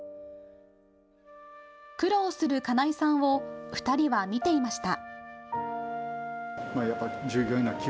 苦労する金井さんを２人は見ていました。